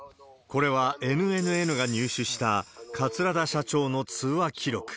これはＮＮＮが入手した、桂田社長の通話記録。